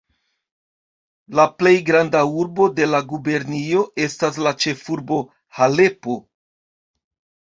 La plej granda urbo de la gubernio estas la ĉefurbo Halepo.